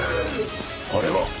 あれは！